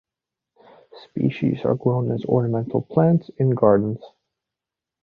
Species are grown as ornamental plants in gardens.